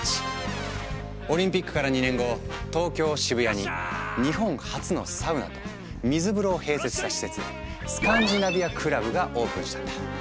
オリンピックから２年後東京・渋谷に日本初のサウナと水風呂を併設した施設「スカンジナビアクラブ」がオープンしたんだ。